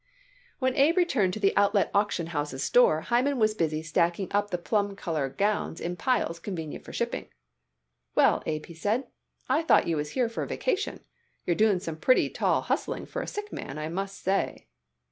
When Abe returned to the Outlet Auction House's store Hyman was busy stacking up the plum color gowns in piles convenient for shipping. "Well, Abe," he said, "I thought you was here for a vacation. You're doing some pretty tall hustling for a sick man, I must say."